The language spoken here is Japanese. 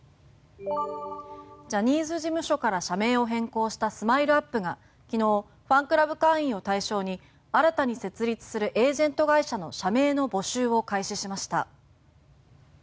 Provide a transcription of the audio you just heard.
ジャニーズ事務所から社名を変更したＳＭＩＬＥ−ＵＰ．が昨日ファンクラブ会員を対象に新たに設立するエージェント会社の社名の募集を開始しました。